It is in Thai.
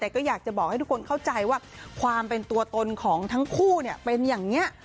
แต่ก็อยากจะบอกให้ทุกคนเข้าใจว่าความเป็นตัวตนของทั้งคู่เป็นอย่างนี้